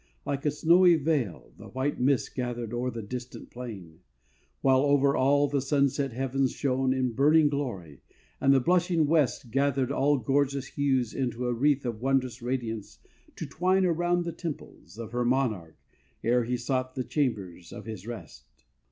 Like a snowy veil The white mist gathered o'er the distant plain, While, over all, the sunset heavens shone In burning glory, and the blushing West Gathered all gorgeous hues into a wreath Of wondrous radiance to twine around The temples of her monarch, ere he sought The chambers of his rest.